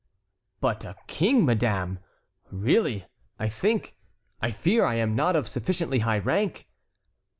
"But a king, madame! Really, I think—I fear I am not of sufficiently high rank."